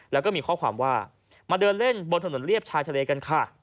แล้วก็มีข้อความว่ามาเดินเล่นบนถนนเรียบชายทะเลกันค่ะ